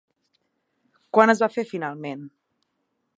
Quan es va fer finalment?